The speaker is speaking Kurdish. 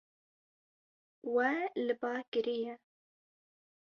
We li ba kiriye.